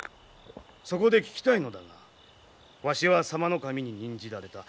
そこで聞きたいのだがわしは左馬頭に任じられた。